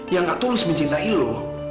yang gak tulus mencintai lu